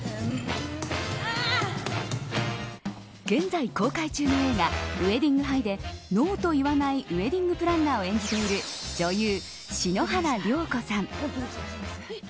現在公開中の映画ウェディング・ハイでノーと言わないウエディングプランナーを演じている女優、篠原涼子さん。